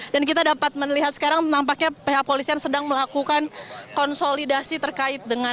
dan kita dapat melihat sekarang nampaknya pihak kepolisian sedang melakukan konsolidasi terkait dengan